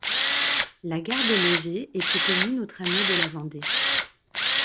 La gare de Legé était commune aux Tramways de la Vendée.